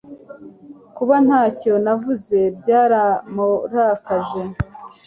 Kuba ntacyo navuze byaramurakaje